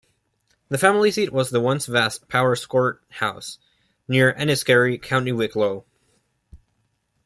The family seat was the once vast Powerscourt House, near Enniskerry, County Wicklow.